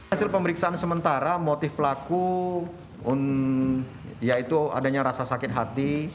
hasil pemeriksaan sementara motif pelaku yaitu adanya rasa sakit hati